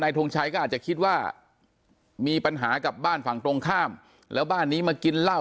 ทงชัยก็อาจจะคิดว่ามีปัญหากับบ้านฝั่งตรงข้ามแล้วบ้านนี้มากินเหล้า